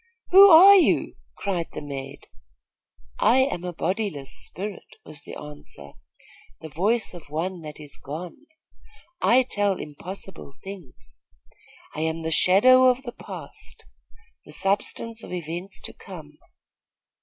'Who are you?' cried the maid. 'I am a bodiless spirit,' was the answer, 'the voice of one that is gone. I tell impossible things. I am the shadow of the past, the substance of events to come.